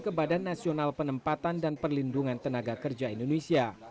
kepada nasional penempatan dan perlindungan tenaga kerja indonesia